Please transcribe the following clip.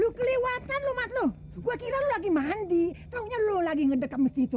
lu kelewatan rumah lo gua kirim lagi mandi taunya lu lagi ngedeket mesin itu